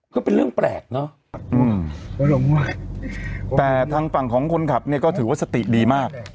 ก็เป็นเรื่องแปลกเนอะอารมณ์มากแต่ทางฝั่งของคนขับเนี่ยก็ถือว่าสติดีมาก